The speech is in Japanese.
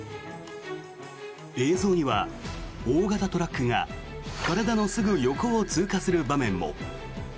映像には大型トラックが体のすぐ横を通過する場面も。